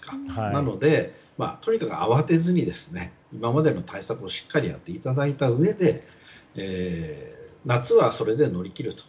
なので、とにかく慌てずに今までの対策をしっかりやっていただいたうえで夏は、それで乗り切ると。